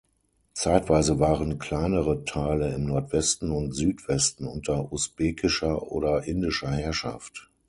Zeitweise waren kleinere Teile im Nordwesten und Südwesten unter usbekischer oder indischer Herrschaft.